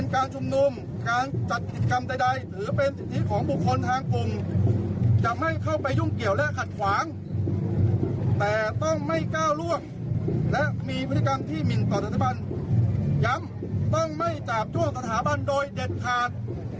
กรรษฐศิลปันย้ำต้องไม่จาบจ้องสถาบันโดยเด็ดขาด